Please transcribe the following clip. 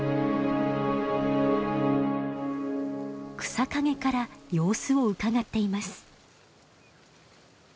草陰から様子をうかがっています。